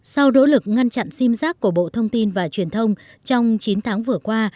sau đỗ lực ngăn chặn sim rác của bộ thông tin và truyền thông trong chín tháng vừa qua